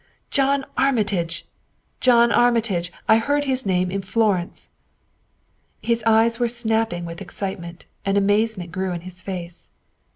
"John Armitage John Armitage! I heard his name in Florence." His eyes were snapping with excitement, and amazement grew in his face.